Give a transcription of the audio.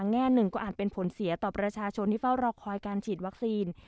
แง่หนึ่งก็อาจเป็นผลเสียต่อประชาชนที่เฝ้ารอคอยการฉีดวัคซีน